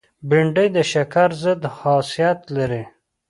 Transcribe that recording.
بېنډۍ د شکر ضد خاصیت لري